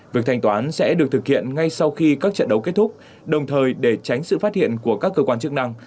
việc thanh toán sẽ được thực hiện ngay sau khi các trận đấu kết thúc đồng thời để tránh sự phát hiện của các cơ quan chức năng